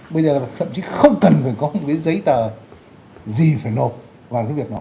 bây giờ thậm chí không cần phải có một cái giấy tờ gì phải nộp vào cái việc đó